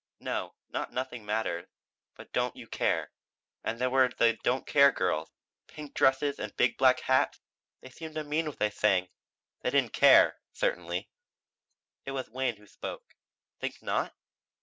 No, not 'Nothing Matters,' but 'Don't You Care.' And there were the 'Don't You Care' girls pink dresses and big black hats. They seemed to mean what they sang. They didn't care, certainly." It was Wayne who spoke. "Think not?"